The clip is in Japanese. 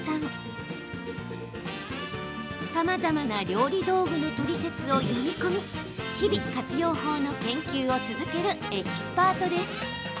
さまざまな料理道具のトリセツを読み込み日々活用法の研究を続けるエキスパートです。